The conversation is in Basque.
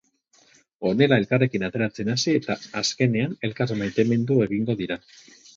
Honela elkarrekin ateratzen hasi eta azkenean elkar maitemindu egingo dira.